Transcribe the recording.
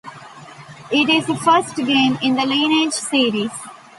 It is the first game in the "Lineage" series.